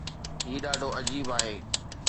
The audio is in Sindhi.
هي ڏاڍو عجيب آهي.